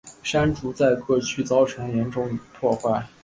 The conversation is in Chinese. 山竹在各区造成严重破坏。